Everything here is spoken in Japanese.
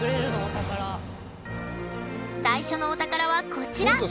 最初のお宝はこちら！